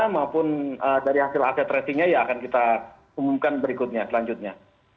maupun dari hasil aset tracingnya ya akan kita umumkan berikutnya selanjutnya